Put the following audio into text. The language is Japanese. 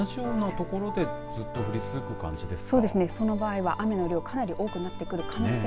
同じような所でずっと降り続く感じですか。